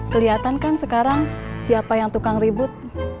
kelihatan kan sekarang siapa yang tukang ribut